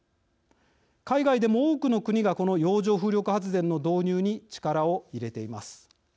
海外でも多くの国がこの洋上風力発電の導入に力を入れています。